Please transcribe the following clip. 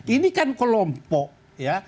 ini kan kelompok ya